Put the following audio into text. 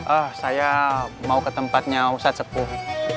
eh saya mau ke tempatnya ustadz sekuh